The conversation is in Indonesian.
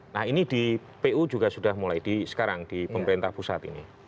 nah ini di pu juga sudah mulai di sekarang di pemerintah pusat ini